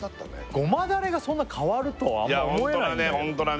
胡麻だれがそんな変わるとはあんま思えないんだよ